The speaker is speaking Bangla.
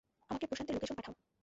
আমাকে প্রশান্তের লোকেশান পাঠাও।